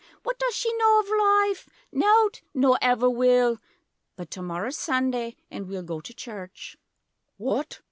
What does she know of life? Nowt! Nor ever will! But tomorrer's Sunday An' we'll go to Church! What?